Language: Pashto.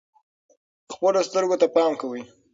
خپلو سترګو ته پام کوئ.